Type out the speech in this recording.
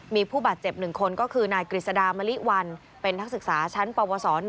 มีผู้บาดเจ็บหนึ่งคนก็คือนายกริษดามริวัลทหารเป็นนักศึกษาชั้นปวส๑